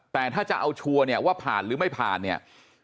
แต่ถ้าจะเอาชัวร์เนี่ยว่าผ่านหรือไม่ผ่านเนี่ย